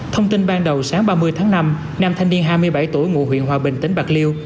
thông tin ban đầu sáng ba mươi tháng năm nam thanh niên hai mươi bảy tuổi ngụ huyện hòa bình tỉnh bạc liêu